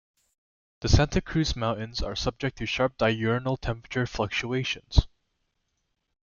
The Santa Cruz Mountains are subject to sharp diurnal temperature fluctuations.